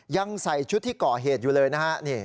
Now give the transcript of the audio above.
ยังใส่ชุดที่ก่อเหตุอยู่เลยนะฮะ